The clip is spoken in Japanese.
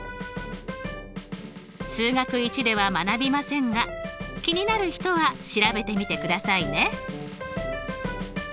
数学Ⅰでは学びませんが気になる人は調べてみてくださいね。